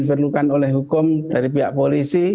diperlukan oleh hukum dari pihak polisi